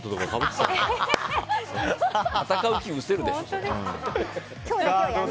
戦う気、失せるでしょ。